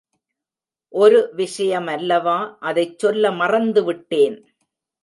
ஒரு விஷயமல்லவா, அதைச் சொல்ல மறந்து விட்டேனே.